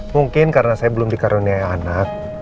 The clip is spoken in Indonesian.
mungkin karena saya belum dikaruniai anak